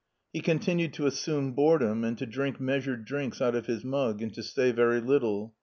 He continued to assume boredom and to drink measured drinks out of his mug and to say very little.